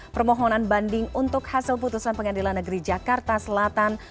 permohonan banding untuk hasil putusan pengadilan negeri jakarta selatan